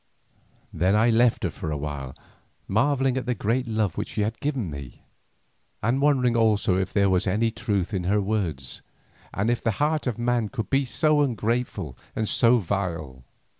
Then I left her for a while, marvelling at the great love which she had given me, and wondering also if there was any truth in her words, and if the heart of man could be so ungrateful and so vile.